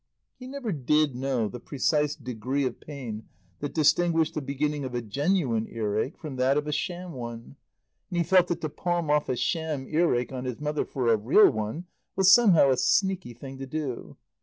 He never did know the precise degree of pain that distinguished the beginning of a genuine earache from that of a sham one, and he felt that to palm off a sham earache on his mother for a real one, was somehow a sneaky thing to do.